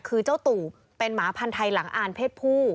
คือเจ้าตู่เป็นหมาพันธ์ไทยหลังอ่านเพศผู้